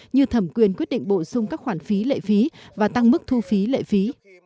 như thẩm quyền quyết định bổ sung các khoản phí lệ phí và tăng mức thu phí lệ phí